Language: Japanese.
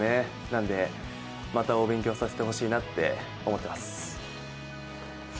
なんで、またお勉強させてほしいなって思ってます。